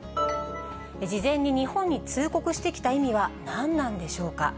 事前に日本に通告してきた意味は何なんでしょうか。